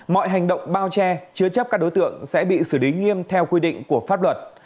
mọi hành động bao che chứa chấp các đối tượng sẽ bị xử lý nghiêm theo quy định của pháp luật